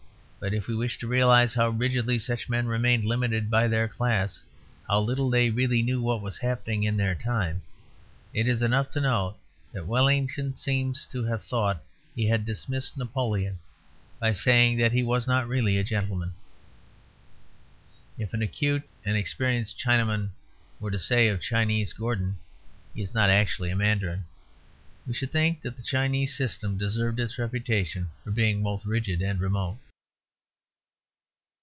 But if we wish to realize how rigidly such men remained limited by their class, how little they really knew what was happening in their time, it is enough to note that Wellington seems to have thought he had dismissed Napoleon by saying he was not really a gentleman. If an acute and experienced Chinaman were to say of Chinese Gordon, "He is not actually a Mandarin," we should think that the Chinese system deserved its reputation for being both rigid and remote.